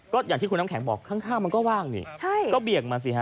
ก็อย่างที่คุณน้ำแข็งบอกข้างมันก็ว่างนี่ก็เบี่ยงมาสิฮะ